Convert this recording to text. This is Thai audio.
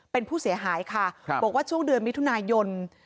เป็นผู้เสียหายค่ะบอกว่าช่วงเดือนมิถุนายน